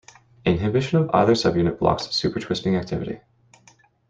Inhibition of either subunit blocks supertwisting activity.